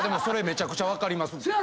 それめちゃくちゃ分かります。